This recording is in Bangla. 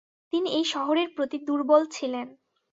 তিনি এই শহরের প্রতি দুর্বল ছিলেন।